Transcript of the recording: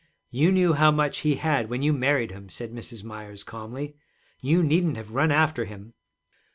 'You knew how much he had when you married him,' said Mrs. Myers calmly. 'You needn't have run after him.'